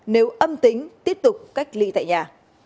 nếu âm tính tiếp tục cách ly tại nhà